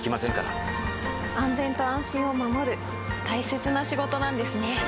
安全と安心を守る大切な仕事なんですね。